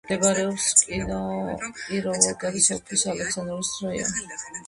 მდებარეობს კიროვოგრადის ოლქის ალექსანდროვკის რაიონში.